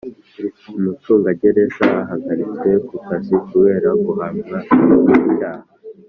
Umucungagereza ahagaritswe ku kazi kubera guhamwa n’icyaha